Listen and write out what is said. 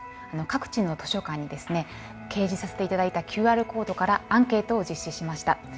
各地の図書館に掲示させて頂いたＱＲコードからアンケートを実施しました。